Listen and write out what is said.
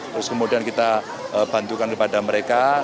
terus kemudian kita bantukan kepada mereka